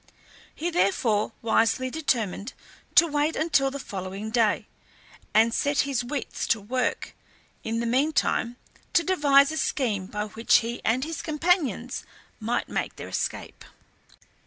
He therefore wisely determined to wait until the following day, and set his wits to work in the meantime to devise a scheme by which he and his companions might make their escape.